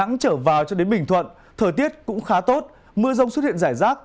mưa rông trở vào cho đến bình thuận thời tiết cũng khá tốt mưa rông xuất hiện rải rác